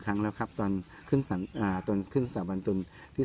ครั้งแล้วครับตอนขึ้นตอนขึ้นสาบันจนที่